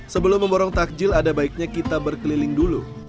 sebelum memborong takjil ada baiknya kita berkeliling dulu